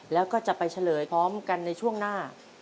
แล้วก็จะไปเฉลยพร้อมกันในช่วงหน้า